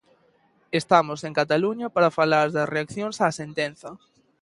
Estamos en Cataluña para falar das reaccións á sentenza.